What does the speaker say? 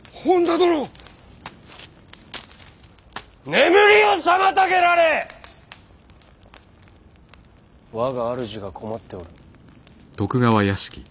眠りを妨げられ我が主が困っておる。